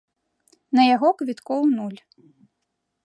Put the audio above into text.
На яго квіткоў нуль.